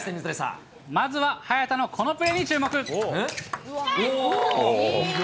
まずは早田のこのプレーに注目。